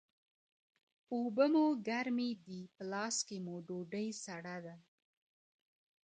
اوبه مو ګرمي دي په لاس کي مو ډوډۍ سړه ده -